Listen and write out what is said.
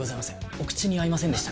お口に合いませんでしたか？